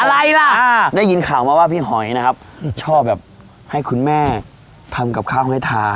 อะไรล่ะได้ยินข่าวมาว่าพี่หอยนะครับชอบแบบให้คุณแม่ทำกับข้าวให้ทาน